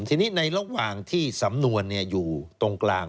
ทีนี้ในระหว่างที่สำนวนอยู่ตรงกลาง